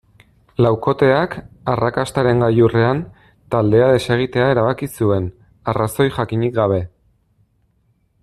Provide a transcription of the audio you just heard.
Laukoteak, arrakastaren gailurrean, taldea desegitea erabaki zuen, arrazoi jakinik gabe.